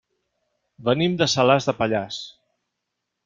Venim de Salàs de Pallars.